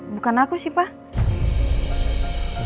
bukan aku sih pa